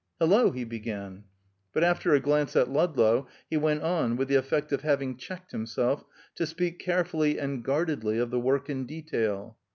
"Hello!" he began, but after a glance at Ludlow he went on, with the effect of having checked himself, to speak carefully and guardedly of the work in detail.